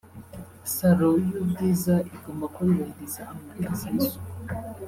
Saro y’ ubwiza igomba kuba yubahiriza amabwiriza y’ isuku